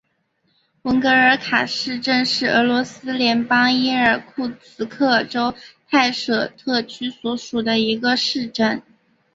文格尔卡市镇是俄罗斯联邦伊尔库茨克州泰舍特区所属的一个市镇。